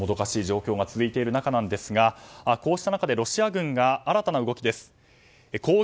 もどかしい状況が続いている中ですがこうした中でロシア軍が新たな動きです。